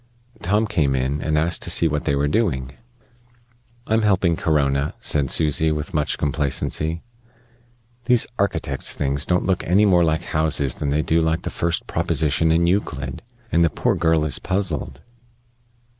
Tom came in, and asked to see what they were doing. "I'm helping Corona," said Susy, with much complacency. "These architects' things don't look any more like houses than they do like the first proposition in Euclid; and the poor girl is puzzled."